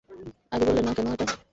আগে বললে না কেন এটা?